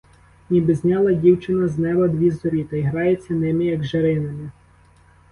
Ніби зняла дівчина з неба дві зорі та й грається ними, як жаринами.